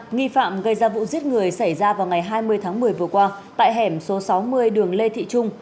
nghi phạm gây ra vụ giết người xảy ra vào ngày hai mươi tháng một mươi vừa qua tại hẻm số sáu mươi đường lê thị trung